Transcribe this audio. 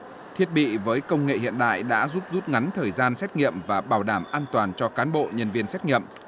trong năm hai nghìn một mươi chín thiết bị với công nghệ hiện đại đã rút rút ngắn thời gian xét nghiệm và bảo đảm an toàn cho cán bộ nhân viên xét nghiệm